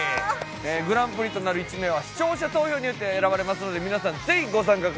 グランプリとなる１名は視聴者投票によって選ばれますので皆さんぜひご参加